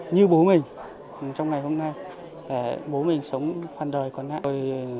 như bố mình trong ngày hôm nay bố mình sống hoàn đời còn ngại